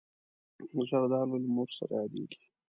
زردالو له مور سره یادېږي.